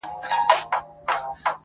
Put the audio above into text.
o له ژرندي زه راځم، د مزد خبري ئې ته کوې!